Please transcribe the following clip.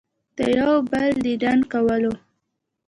د يو بل ديدن کولو